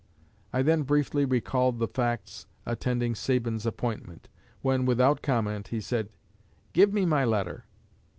I then briefly recalled the facts attending Sabin's appointment, when, without comment, he said, 'Give me my letter.'